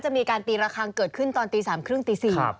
จะมีการตีระครั้งเกิดขึ้นตอนตีสามครึ่งตีสี่